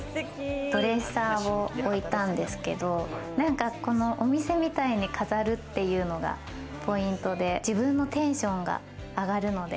ドレッサーを置いたんですけど、お店みたいに飾るっていうのがポイントで、自分のテンションが上がるので。